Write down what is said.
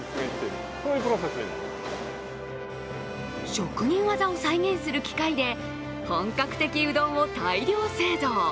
職人技を再現する機械で本格的うどんを大量製造。